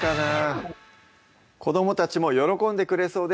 子どもたちも喜んでくれそうです